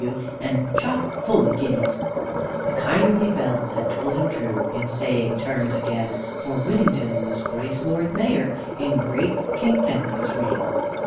W.," and chock full of guineas.) "The kindly bells had told him true In saying, 'Turn again,' For Whittington was thrice Lord Mayor In great King Henry's reign."